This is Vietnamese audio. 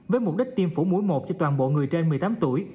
với mục đích tiêm phủ mũi một cho toàn bộ người trên một mươi tám tuổi